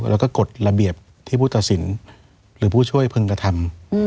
แล้วก็กฎระเบียบที่ผู้ตัดสินหรือผู้ช่วยพึงกระทำ